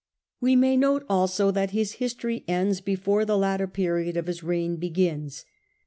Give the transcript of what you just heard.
We may note also that his history ends before the latter period of this reign begins.